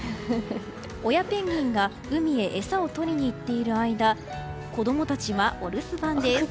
親ペンギンが海へ餌をとりに行っている間子供たちは、お留守番です。